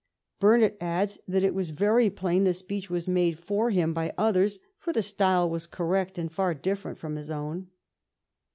Burnet adds that " it was very plain the speech was made for him by others; for the style was correct, and far different from his own."